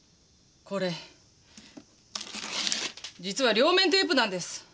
これ実は両面テープなんです！